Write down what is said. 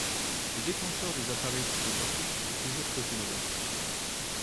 Le déclencheur des appareils photographiques est toujours côté droit.